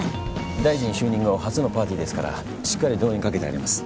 大臣就任後初のパーティーですからしっかり動員かけてあります。